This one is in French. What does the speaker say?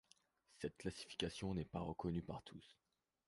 Cette classification n'est pas reconnue par tous.